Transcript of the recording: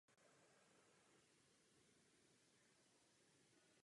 Žijí v rodinných skupinách tvořených jedním trvalým párem a jedním až třemi mláďaty.